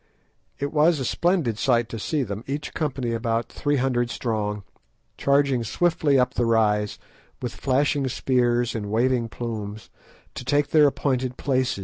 It was a splendid sight to see them, each company about three hundred strong, charging swiftly up the rise, with flashing spears and waving plumes, to take their appointed place.